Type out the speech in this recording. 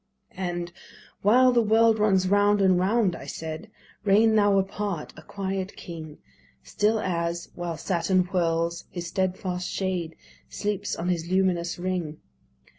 And "while the world runs round and round," I said, "Reign thou apart, a quiet king, Still as, while Saturn whirls his stedfast shade Sleeps on his luminous ring."